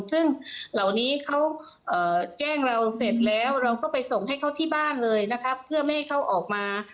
ซึ่งเหล่านี้เขาแจ้งเราเสร็จแล้วเราก็ไปส่งให้เขาที่บ้านเลยนะคะเพื่อไม่ให้เขาออกมา